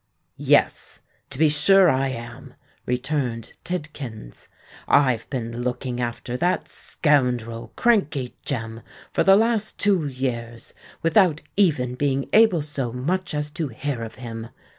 "Yes—to be sure I am," returned Tidkins. "I've been looking after that scoundrel Crankey Jem for the last two years, without even being able so much as to hear of him.